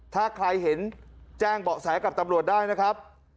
ถ้าใครเห็นแจ้งเบาะแสกับตำรวจได้นะครับ